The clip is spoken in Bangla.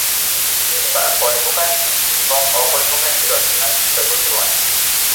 তার কল্পকাহিনী এবং অ-কল্পকাহিনী রচনার বিষয়বস্তু অনেক।